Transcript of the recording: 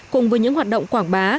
cùng với những hoạt động quảng bá